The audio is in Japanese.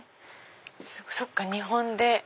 そっか日本で。